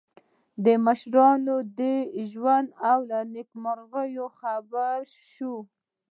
د مشرانو د ژوند له نېکمرغیو خبر شو.